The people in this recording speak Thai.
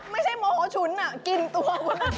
ไม่ใช่โมโหฉุนอ่ะกินตัว